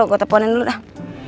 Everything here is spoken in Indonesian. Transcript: loh gua teleponin dulu dah